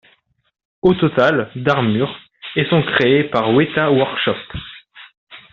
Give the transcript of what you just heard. Au total, d'armures, et sont créés par Weta Workshop.